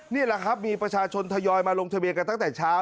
นี่แหละครับมีประชาชนทยอยมาลงทะเบียนกันตั้งแต่เช้า